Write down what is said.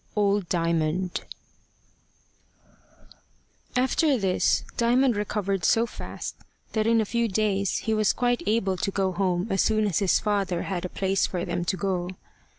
OLD DIAMOND AFTER this Diamond recovered so fast, that in a few days he was quite able to go home as soon as his father had a place for them to go.